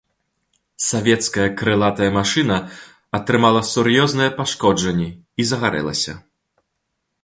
Савецкая крылатая машына атрымала сур'ёзныя пашкоджанні і загарэлася.